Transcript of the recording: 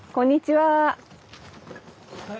はい。